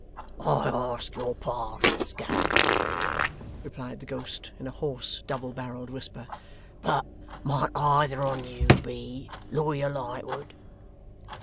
'I ask your pardons, Governors,' replied the ghost, in a hoarse double barrelled whisper, 'but might either on you be Lawyer Lightwood?